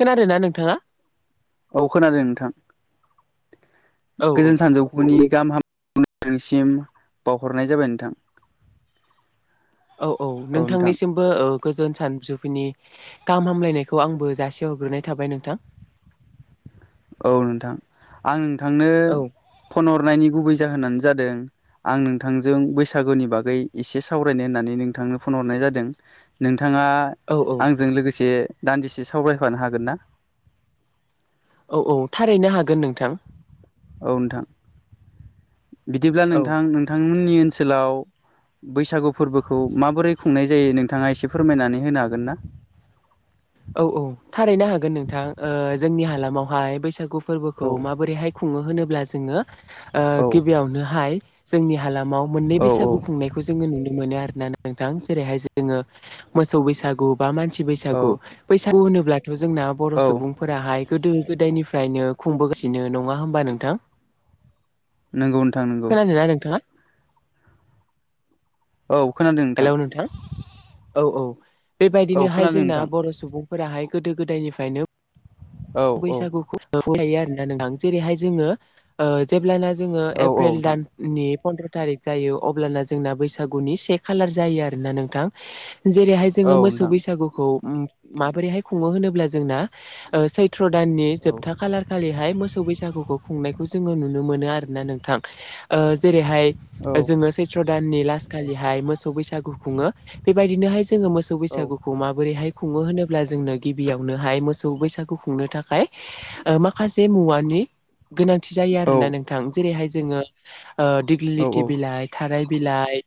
खोनादोंना नोंथाङा? औ खोनादों नोंथां औ औ गोजोन सानजौफुनि गाहाम हाम [unintelligible] नोंथांसिम बावहरनाय जाबाय नोंथां । औ औ नोंथांनिसिमबो ओ गोजोन सान जुफिनि गाहाम हामलायनायखौ आंबो जासियाव हग्रोनाय थाबाय नोंथां । औ नोंथां आं नोंथांनो औ फन ह नायनि गुबै जाहोनानो जादों आं नोंथांजों बैसागुनि बागै इसे सावरायनो होननानै नोंथां । नो फन हरनाय जादों नों थाङा औ औ आंजों लोगोसे दान्दिसे सावरायफानो हागोन ना? औ औ थारैनो हागोन नोंथां । औ नोंथां बिदिब्ला औ नोंथां नोंथांमोननि ओनसोलाव बैसागु फोरबोखौ माबोरै खुंनाय जायो नोंथाङा एसे फोरमायनानै होनो हागोन ना? [inaudible] औ औ थारैनो हागोन नोंथां ओ जोंनि हालामावहाय बैसागु ना औ फोरबोखौ माबोरैहाय खुङो होनोब्ला जोङो ओ औ गिबियावनोहाय जोंनि हालामाव मोननै औ बैसागु खुंनायखौ जोङो नुनो मोनो आरो । नोंथां जेरैहाय जोङो मोसौ बैसागु बा मानसि औ बैसागु बैसागु होनोब्ला थ' जोंना बर' औ सुबुंफोराहाय गोदो-गोदायनिफ्रायनो खुंबोगासिनो नङा होमबा नोंथां? नोंगौ नोंथां नोंगौ । खोनादोंना नोंथाङा औ खोनादों हेलौ नोंथां औ औ । औ बेबायदिनोहाय खोनादों जोंना नोंथां बर' सुबुंफोराहाय गोदो-गोदायनिफ्रायनो औ औ बैसागुखौ [unintelligible] फायो आरोना नोंथां जेरैहाय जोङो ओ जेब्लाना जोङो औ औ एप्रिल नोंथां दाननि फन्द्र' थारिख जायो अब्लाना जोंना बैसागुनि से खालार जायो आरोना नोंथां । जेरैहाय औ जोङो मोसौ नोंथां बैसागुखौ माबोरैहाय खुङो होनोब्ला जोंना ओ सै थ्र दाननि औ जोबथा खालारखालिहाय मोस बैसागुखौ खुंनायखौ जोङो नुनो मोनो आरोना नोंथां ओ जेरै हाय औ ओ जोङो सैथ्र दाननि लास खालिहाय मोसौ बैसागु खुङो बेबायदिनो हाय जोङो मोसौ औ बैसागुखौ माबोरैहाय खुङो होनोब्ला जोंनो गिबियावनोहाय मोसौ बैसागुखौ खुंनो थाखाय ओ माखासे मुवानि गोनांथि जायो आरोना नोंथां जेरैहाय जोङो ओ दिग्लि औ लिथि बिलाइ थाराय बिलाइ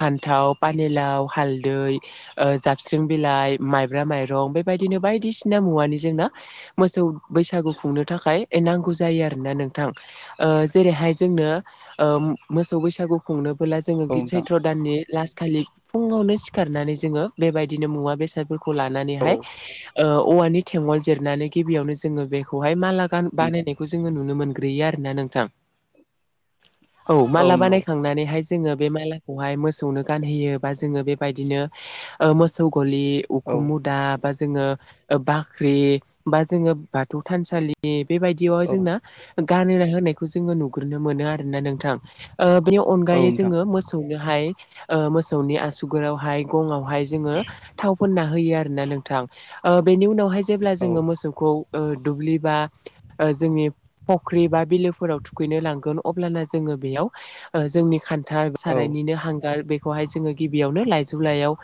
फान्थाव पानिलाव हालदै ओ जाबस्रिं बिलाइ माइब्रा माइरं बेबायदि बिदिनो बायदिसिना मुवानि जोंना मोसौ बैसागु खुंनो थाखाय नांगौ जायो आरोना नोंथां ओ जेरैहाय जों ओ मोसौ बैसागु खुंनोबोला जोङो औ नोंथां सैथ्र' दाननि लास खालि फुङावनो सिखारनानै जोङो बेबायदिनो मुवा बेसादफोरखौ लानानैहाय ओ औवानि थेंङ'ल जिरनानै गिबियावनो जोङो बेखौहाय माला गान बानायनायखौ जोङो नुनो मोन ग्रोयो आरोना नोंथां औ मालाबानायनायखांनानैहाय जोङो बे मालाखौहाय मोसौनो गानहोयो बा जोङो बेबायदिनो ओ मोसौ गलि उखुम औ मुदा बा जोङो ओ बाख्रि बा जोङो बाथौ थानसालि बेबायदियावहाय जोंना गान नायखौ जोङो नुग्रोनो मोनो आरोना नोंथां ओ बेनि औ औ अनगायै नोंथां जोङो मोसौनोहाय ओ मोसौनि आसुगुरावहाय गङावहाय जोङो थाव फोनना होयो आरोना नोंथां ओ बेनि उनावहाय जेब्ला औ जोङो मोसौखौ ओ दुब्लि बा ओ जोंनि फख्रि बा बिलोफोराव थुखैनो लांगोन अब्लाना जोङो बेयाव ओ जोंनि खान्था औ सारायनिनो हांगार बे खौहाय जोङो गिबियावनो लाइजु लाइयाव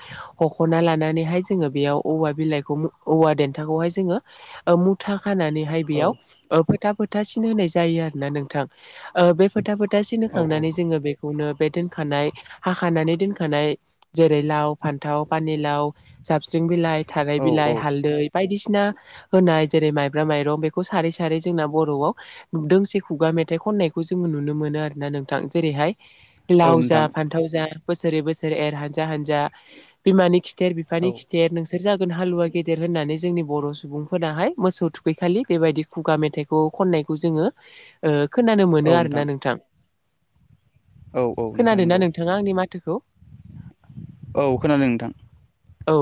हख'ना लानानैहाय जोङो बेयाव औवा बिलाइखौ औवा देनथाखौहाय जोङो ओ मुथा खानानैहाय औ बेताल ओ फोथा फो फोथासिन होनाय जायो आरोना नोंथां ओ बे फोथा फोथासिन औ होखांनानै जोङो बेखौनो दोनखानाय हाखानानै दोनखानाय जेरै लाव, फान्थाव, पानिलाव, जाबस्रिं बिलाइ थाराय बिलाइ हालदै बायदिसिना होनाय जेरै माइब्रा माइरं बेखौ सारै सारै जोंना बर'आव दोंसे खुगा मेथाइ खननायखौ खौ जोङो नुनो मोनो आरो ना नोंथां जेरैहाय औ लाव जा नोंथां फान्थाव जा बोसोरै बोसोरै एर हानजा हानजा बिमानि खिथेर खिथेर औ बिफानि खिथेर नोंसोर जागोन हालुवा गेदेर होननानै जोंनि बर' सुबुंफोराहाय मोसौ थुखैखालि बेबायदि खुगा मेथाइखौ खननायखौ जोङो खोनानो मोनो आरोना नोंथां औ औ नोंथां खोनादोंना नंगौ नोंथाङा आंनि माथोखौ औ खोनादों नोंथां औ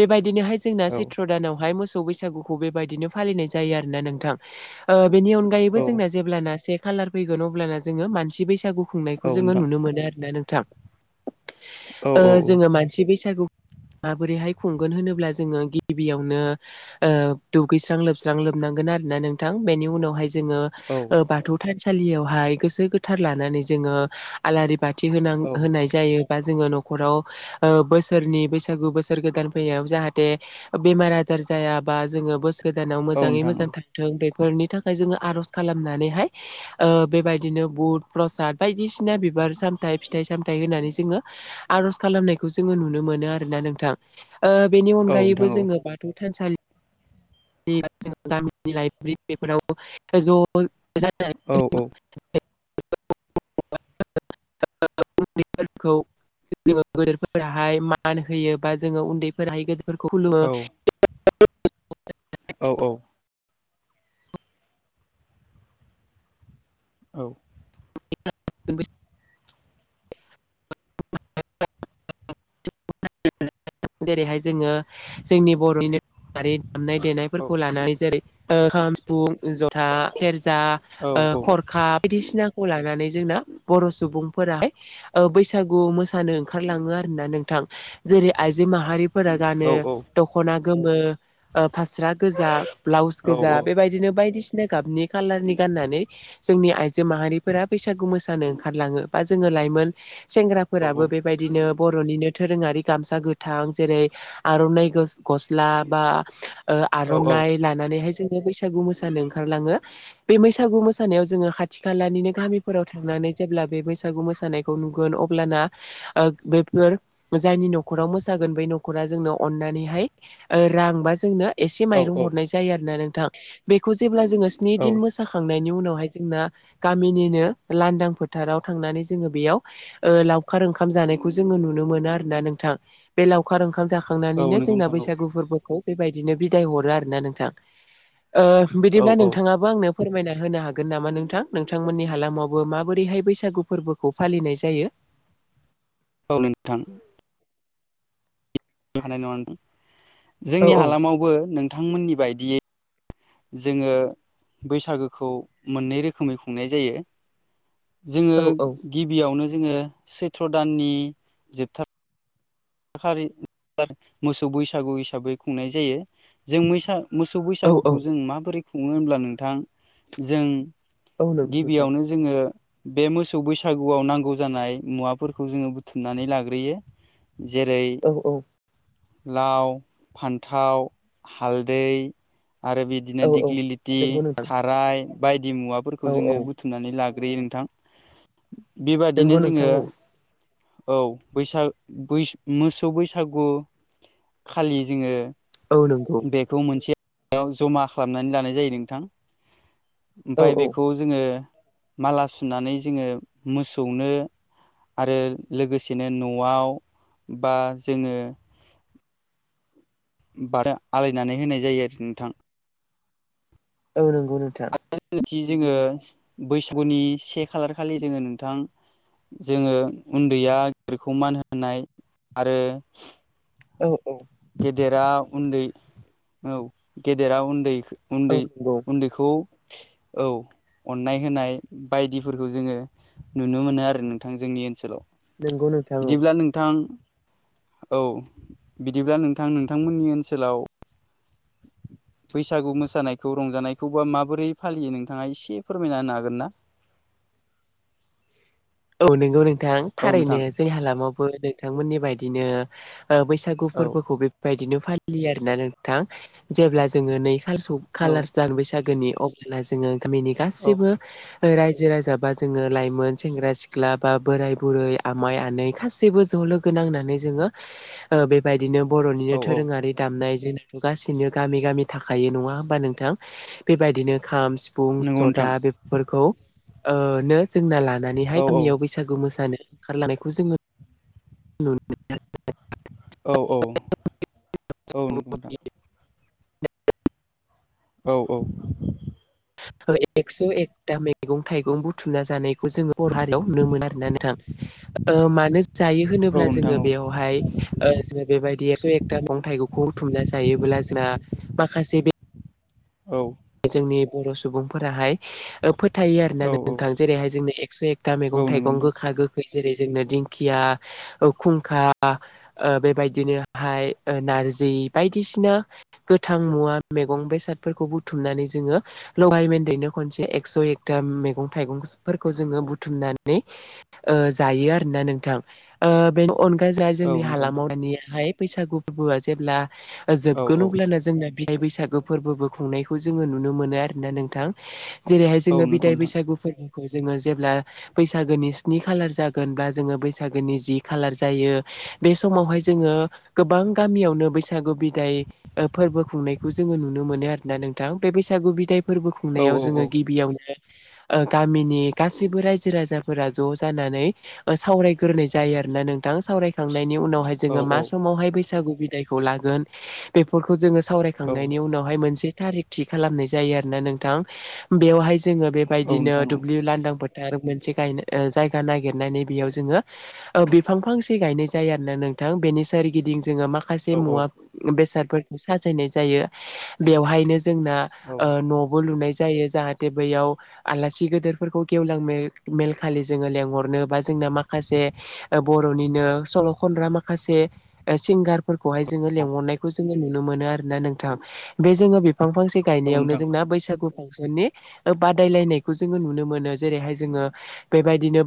बेबायदिनोहाय जोंना औ सैत्र' दानावहाय मोसौ मोसौ बैसागुखौ बेबायदिनो फालिनाय जायो आरोोना नोंथां बेनि अनगायैबो औ जोंना जे्लाना से खालार फैगोन अब्लाना जोङो मानसि बैसागु औ खुंनायखौ जोङो नोंथां नुनो मोनो आरोना नोंथां औ जोङो मानसि बैसागु माबोरैहाय खुंगोन होनोब्ला जोङो गिबियावनो दुगैस्रां लोबस्रां लोबनांगोन आरोना नोंथां बेनि उनावहाय औ जों बाथौ थानसालियाव हाय गोसो गोथार लानानै जों आलारि बाथि होनां औ होनाय जायो बा जोङो न'खराव बोसोरनि बैसागु बोसोर गोदान फैनायाव जाहाथे बेमार आजार आजार जायाबा जोङो बोसोरोानाव मोजाङै नोंथां औ नोंथां मोजां थाथों फोरनि थाखाय जोङो आर'ज खालामनानैहाय बेबायदिनो बुध प्रसाद बायदिसिना बिबार सामथ फिथाइ सामथाइ होनानै जोङो आर'ज खालामनायखौ जोङो नुनो मोनो आरो ना नोंथां बेनि अनगायैबो जोङो बाथौ थानसालि जों गामिनि लाइब्रेरि बेफोराव ज' औ औ [unintelligible] [inaudible] उन्दै फोरखौ जोङो गदेरफोराहाय मान होयो बा जोङो उन्दैफोरहाय गिदिर फोरखौ खुलुमो। औ औ। औ। मानसि। जेरैहाय जोङो जोंनि बर'निनो दोरोडारि। दामनाय देनायफोरखौ लानानै जेरै खाम सिफुं जथा सेर जा खरखा बायदिसिना खौ लानानै जोंना बर' सुबुंफोराहाय बैसागु मोसानो ओंखारलाङो आरो। होनना नोंथां जेरै आइजो माहारिफोरा गानो दख'ना गोमो फास्रा गोजा ब्लाउस औ गोजा बेबायदिनो बायदिसिना गाबनि खाालारनि गाननानै जोंनि आइजो माहारिफोरा बैसागु मोसानो ओंखारलाङो बा जोङो। लाइमोन औ औ सेंग्राफोराबो बेबायदिनो निनो दोरोङारि गामसा गोथां जेरै आर'नाइ गस्ला बा औ औ आर'नाइ लानानैहाय जोङो बैसागु मोसानो ओंखारलाङो बे बैसागु मोसानायाव जोङो खाथि खालानिनो गामिफोराव थांनानै। जेब्ला बे बैसागु मोसानायखौ नुगोन अब्लाना बे फोर जायनि न'खराव मोसागोन बै न'खरा जोंनो अननानैहाय रां बा जोंनो। एसे औ माइरं औ हरनाय जायो आरोना नोंथां बेखौ जेब्ला जोङो स्नि औ दिन मोसाखांनायनि। बेनि उनावहाय जोंना गामिनिनो लांदां फोथाराव थांनानै जोङो बेयाव लावखार ओंखाम जानायखौ। जोङो नुनो मोनो आरोना नोंथां बे लावखार ओंखाम औ जाखांनानैनो नंगौ जोंना नोंथां औ बैसागु फोरबोखौ। बेबायदिनो बिदाय हरो आरोना नोंथां औ बिदिब्ला औ नोंथाङाबो आंनो। फोरमायना होनो हागोन नामा नोंथां नोंथांमोननि हालामावबो माबोरैहाय बैसागु फोरबोखौ फालिनाय जायो। ओ नोंथां। [unintelligible] औ जोंनि औ हालामावबो नोंथांमोननि बायदियै जोङो बैसागोखौ मोननै रोखोमै खुंनाय जायो। जोङो औ गिबियावनो जोङो सैथ्र' दाननि जोबथार [inaudible] मोसौ बैसागु हिसाबै खुंनाय जायो। जों मैसा-मोसौ औ बैसागुखौ जों माबोरै खुङो होनब्ला नोंथां जों औ नंगौ नोंथां गिबियावनो जोङो। बे मोसौ बैसागुआव नांगौ जानाय मुवाफोरखौ जोङो बुथुमनानै लाग्रोयो। जेरै औ औ लाव फान्थाव हालदै आरो बिदिनो औ औ दिग्लिलिथि, नंगौ नोंथां थाराय बायदि मुवाफोरखौ औ जोङो औ बुथुमनानै लागोन गोग्रोयो नोंथां बेबादिनो नंगौ जोङो नोंथां औ औ बैसाग बै मोसौ बैसागु खालि जोङो औ नंगौ बेखौ मोनसे जमा खालामनानै लानाय जायो नोंथां। औ ओमफाय औ बेखौ जोङो माला सुनानै जोङो मोसौनो आरो लोगोसेनो न'आव बा जोङो। बाद आलायनानै होनाय जायो आरो नोंथां। औ नंगौ नोंथां। थि जोङो बैसागुनि से खालार खालि जोङो नोंथां। जोङो उन्दैया गिदिरखौ मान होनाय आरो। औ औ। गेदेरा उन्दै औ गेदेरा उन्दै औ उन्दै नंगौ उन्दैखौ औ अननाय होनाय बायदिफोरखौ जोङो नुनो मोनो आरो नोंथां जोंनि ओनसोलाव। नंगौ नोंथां औ बिदिब्ला नोंथां। औ। बिद बिदिब्ला नोंथां नोंथांमोननि ओनसोलाव [inaudible] बैसागु मोसानायखौ रंजानायखौ बा माबोरै फालियो नोंथाङा एसे फोरमायना होनो हागोन ना? [inaudible] औ नंगौ नोंथां औ थारैनो नोंथां जोंनि हालामावबो नोंथांमोननि बायदिनो ओ बैसागु औ फोरबोखौ बेबायदिनो फालियो आरोना नोंथां। जेब्ला जोङो नै [unintelligible] औ कलारस दां बैसागोनि अब्लाना जोङो गामिनि औ गासिबो राय जिरा जा जाबा जोङो लाइमोन सेंग्रा सिख्ला- सिख्ला बा बोराय बुरै आमाय आनै गासैबो ज'लोगो नांनानै जोङो बेबायदि बिदिनो औ बर'निनो औ दोरोङारि दामनाय जोंनाथ' गासिनो गामि गामि थाखायो नङा होमबा नोंथां बेबायदिनो खाम सिफुं, नंगौ नोंथां जथा ओ बेफोरखौनो जोंना लानो औ गामियाव बैसागु मोसानो ओंखारलानायखौ जोङो [inaudible] औ औ औ नंगौ नोंथां। [inaudible] औ औ। [inaudible] एकस' एकथा मैग- थाइगं बुथु मना जानायखौ जोङो बर' हारियाव नुनो मोनो आरोना नोंथां ।ओ मानो जायो होनोब्ला औ नोंथां जोङो बेयाव औ बहाय ओ जों बायदि एकस' एकथा मैगं- थाइगंखौ बुथुमना जायोब्ला जोंहा माखासे बे औ जोंनि बर' सुबुंफोराहाय ओ फोथायो औ आरोना औ नोंथां जेरैहाय जोंनो एक्स' एक था मैगं औ नंगौ थाइगं नोंथां गोखा गोखै जेरै जोंनो दिंखिया ओ खुंखा ओ बेबायदिनो हाय जि बायदिसिना गोथां मुवा मैगं बेसादफोरखौ बु बुथुमनानै जोङो लागायमोनदेरनो खनसे एकस' एकथा मैगं थाइगं जोङो बुथुमना- नै जायो आरोना नोंथां ओ बेनि अनगायै जोंहा जोंनि औ नंगौ हालामाव नोंथां दानियाहाय बैसागु फोरबोआ जेब्ला औ जोबगोन औ अब्लानो जोंना बिदाइ बैसागो फोरबो खुंनाय खौबो जोङो नुनो मोनो आरोना नोंथां जेरैहाय औ जोङो नंगौ बिदाय नोंथां बैसागु फोरबो खौ जोङो जेब्ला बैसागोनि स्नि खालार जागोन बा जोङो बैसागोनि जि खालार जायो बे समावहाय जोङो गोबां गामियावनो बैसागु बिदाय फोरबो खुंनायखौ जोङो नुनो मोनो आरोना नों थां बे बैसागु बिदाय फोरबो औ खुंनायाव औ जोङो गिबियावनो ओ गामिनि गासैबो रायजो राजाफोरा ज' जानानै सावरायग्रोनाय जायो ना नोंथां सावरायखांनायनि उनावहाय औ जोङो माावहाय बैसागु बिदायखौ लागोन बेफोर खौ जोङो औ सावरायखांनायनि उनावहाय मोनसे थारिख थि खालामनाय जायो आरो ना नोंथां बेवहाय जोङो औ बेबायदिनो नोंथां दुब्लि लांदां फो- थार मोनसे गाय जायगा नागिरनानै बेयाव जोङो ओ बिफां फांसे गायनाय जायो आरोना नों- थां बेनि सोरगिदिं जोङो मा- खासे औ मुवा बेसादफोरखौ साजायनाय जायो बेवहाय जोंना औ नोंथां औ न'बो लुनाय जा- जायो जाहाथे बैयाव आलासि गेदिरफोरखौ गेवलां मेल खालि जोङो लेंहरनो बा जों ना माखासे बर'निनो सल' खनग्रा माखासे सिंगारफोरखौहाय जोङो लिंहरनायखौ जोङो नुनो मोना नोंथां बे जोङो बिफां फांसे औ गनायनायावनो नोंथां जोंना बैसागु फांसननि बादायलायनायखौ जों नुनो मोनो जेरैहाय जोङो बेबायदिनो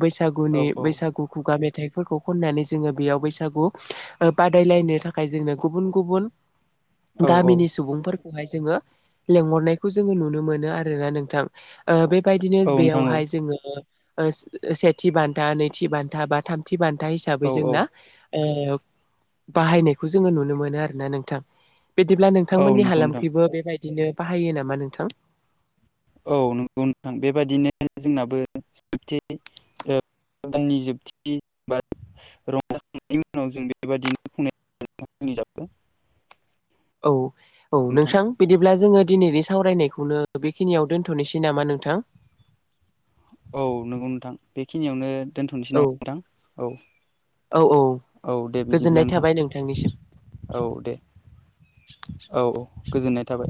औ बैसागुनि औ बैसागु खुगा मे- थाइफोरखौ खननानै जोङो बेयाव बैसागु बादायलायनो थाखाय जोंनो गुबुन गुबुन गामिनि नंगौ सुबुंफोरखौहाय जोङो लेंहरनायखौ जोङो नुनो मोनो आरोना नोंथां बे बायदिनो बेयावहाय जोङो सेथि बान्था नैथि बान्था बा थामथि बान- था हिसाबै जोंना बाहायनायखौ जोङो नुनो मोनो आरोना नोंथां बिदिब्ला नोंथांमोननि नोंथां हालामखैबो बेबायदिनो बाहायो नामा नोंथां? औ नंगौ नोंथां बेबायदिनो जोंनाबो सेथि ओ दाननि जोबथि बा रंजाखांनायनि उनाव जों बेबादिनो बुंनाय [unintelligible] औ औ नोंथां बिदिब्ला जोङो दिनै बे सावरायनायखौनो बेखिनियाव दोन्थ'नोसै नामा नोंथां औ नंगौ नोंथां बेखिनियावनो दोनथ'नोसै औ नामा नोंथां औ औ औ औ दे बिदिब्ला गोजोननाय नोंथां थाबाय नोंथांनिसिम औ दे औ औ गोजोननाय थाबाय।